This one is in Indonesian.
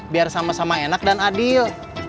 biar sama sama enak dan adil